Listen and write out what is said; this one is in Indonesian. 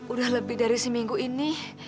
udah lebih dari seminggu ini